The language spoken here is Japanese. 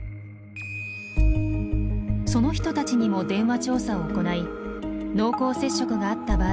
その人たちにも電話調査を行い濃厚接触があった場合